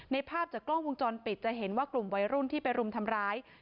ภาพจากกล้องวงจรปิดจะเห็นว่ากลุ่มวัยรุ่นที่ไปรุมทำร้าย